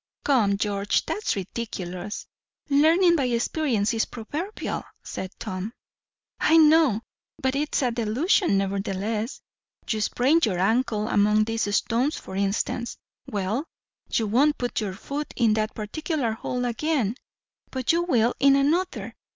"Come, George, that's ridiculous. Learning by experience is proverbial," said Tom. "I know! but it's a delusion nevertheless. You sprain your ankle among these stones, for instance. Well you won't put your foot in that particular hole again; but you will in another.